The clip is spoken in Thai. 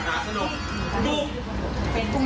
สวัสดีครับคุณผู้ชมครับ